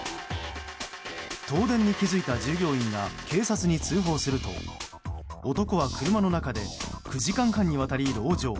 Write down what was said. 盗電に気づいた従業員が警察に通報すると男は車の中で９時間半にわたり籠城。